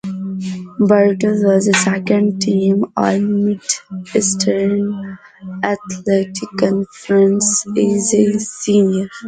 Bartell was a Second-team All-Mid-Eastern Athletic Conference as a senior.